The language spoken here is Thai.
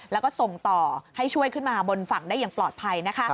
แล้วก็ส่งต่อให้ช่วยขึ้นมาบนฝั่งได้อย่างปลอดภัยนะคะ